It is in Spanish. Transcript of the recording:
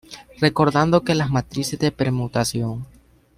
Recordando que las matrices de permutación.